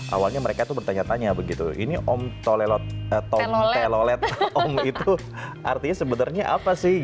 awalnya mereka bertanya tanya ini om telolet ong itu artinya sebenarnya apa sih